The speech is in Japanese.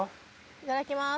いただきます。